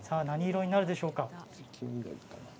何色になるんでしょうか。